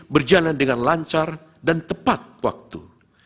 berjalan dengan lancar dan tepat waktu